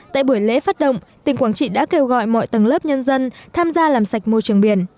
tại buổi lễ phát động tỉnh quảng trị đã kêu gọi mọi tầng lớp nhân dân tham gia làm sạch môi trường biển